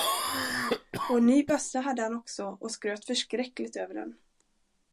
Och en ny bössa hade han också och skröt förskräckligt över den.